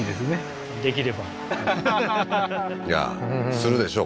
するでしょう